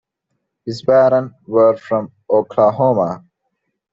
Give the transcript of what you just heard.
His parents were from Oklahoma.